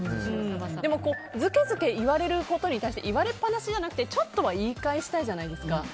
ずけずけ言われることに対して言われっぱなしじゃなくてちょっとは言い返したいじゃないですか。